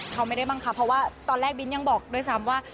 เขาไม่ได้บังคับเพราะว่าตอนแรกบินยังบอกด้วยซ้ำว่า